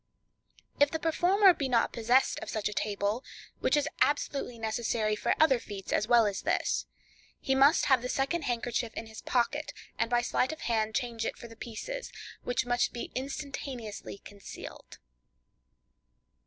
If the performer be not possessed of such a table (which is absolutely necessary for other feats as well as this), he must have the second handkerchief in his pocket, and by sleight of hand change it for the pieces, which must be instantaneously concealed.